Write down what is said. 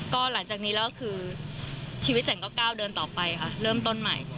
ก็หลังจากนี้แล้วก็คือชีวิตฉันก็ก้าวเดินต่อไปค่ะเริ่มต้นใหม่